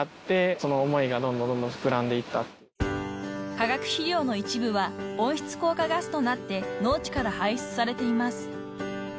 ［化学肥料の一部は温室効果ガスとなって農地から排出されています］